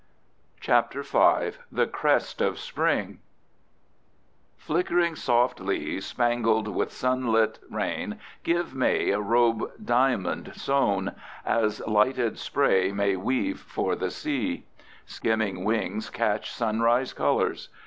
CHAPTER V. THE CREST OF SPRING Flickering soft leaves spangled with sunlit rain give May a robe diamond sown, as lighted spray may weave for the sea. Skimming wings catch sunrise colors.